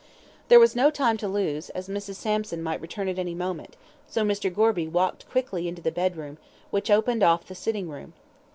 There was no time to lose, as Mrs. Sampson might return at any moment, so Mr. Gorby walked quickly into the bedroom, which opened off the sitting room.